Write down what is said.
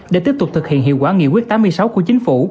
để tiếp tục thực hiện hiệu quả nghị quyết tám mươi sáu của chính phủ